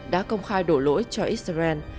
đã công khai đổ lỗi cho israel